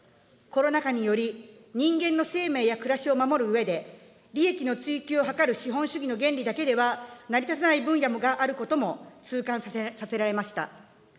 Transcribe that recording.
コロナ禍により、人間の生命や暮らしを守るうえで、利益の追求を図る資本主義の原理だけでは成り立たない分野があることも痛感させられました。